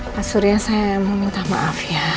pak surya saya mau minta maaf ya